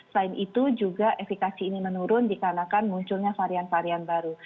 selain itu juga efekasi ini menurun dikarenakan munculnya varian varian baru